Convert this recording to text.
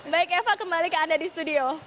baik eva kembali ke anda di studio